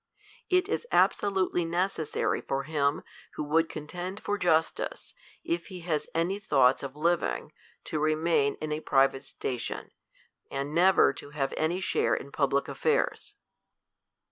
It is absolutely necessary for him, who would contend for justice, if he has any thoughts "^living, to remain in a private s'tation, and never to have any share in public affairs.